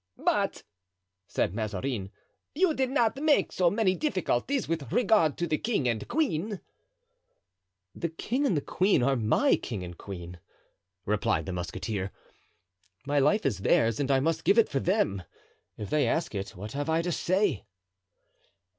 "But," said Mazarin, "you did not make so many difficulties with regard to the king and queen." "The king and the queen are my king and queen," replied the musketeer, "my life is theirs and I must give it for them. If they ask it what have I to say?"